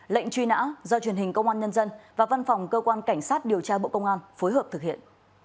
lệnh truy nã do truyền hình công an nhân dân và văn phòng cơ quan cảnh sát điều tra bộ công an phối hợp thực hiện